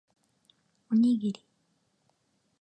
おにぎり